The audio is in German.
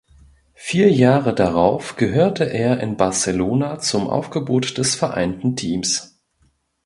Vier Jahre darauf gehörte er in Barcelona zum Aufgebot des Vereinten Teams.